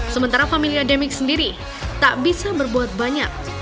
sementara familia the mix sendiri tak bisa berbuat banyak